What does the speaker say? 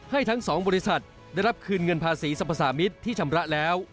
ให้ทั้ง๒บริษัทได้รับคืนเงินภาษีสรรพสามิตรที่ชำระแล้ว